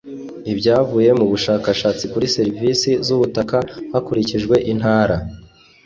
ibyavuye mu bushakashatsi kuri serivisi z’ubutaka hakurikijwe intara